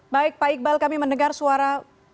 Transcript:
baik pak iqbal kami mendengar suara